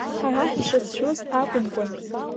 Ҳара ҳшацәшәоз акәымкәан.